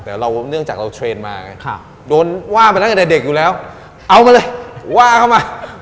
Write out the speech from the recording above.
แต่เราเนื่องจากเราเทรนด์มาไงโดนว่ามาตั้งแต่เด็กอยู่แล้วเอามาเลยว่าเข้ามา